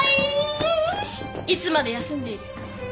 「いつまで休んでいる？